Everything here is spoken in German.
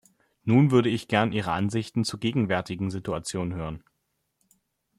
Nun würde ich gern Ihre Ansichten zur gegenwärtigen Situation hören.